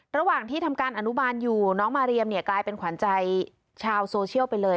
ระหว่างที่ทำการอนุบาลอยู่น้องมาเรียมเนี่ยกลายเป็นขวัญใจชาวโซเชียลไปเลย